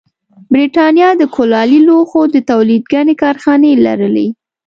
برېټانیا د کولالي لوښو د تولید ګڼې کارخانې لرلې